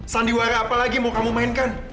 sandiwara apa lagi yang mau kamu mainkan